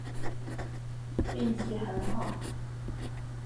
运气很好